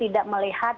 tidak menjadi kelewatan